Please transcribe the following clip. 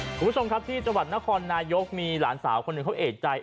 คุณผู้ชมครับที่จังหวัดนครนายกมีหลานสาวคนหนึ่งเขาเอกใจ